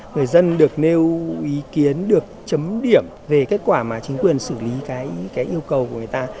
người dân được nêu ý kiến được chấm điểm về kết quả mà chính quyền xử lý cái yêu cầu của người ta